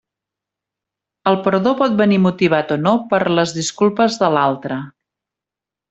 El perdó pot venir motivat o no per les disculpes de l'altre.